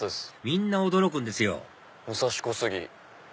みんな驚くんですよ武蔵小杉。